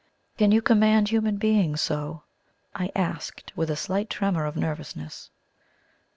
"Can you command human beings so?" I asked, with a slight tremor of nervousness.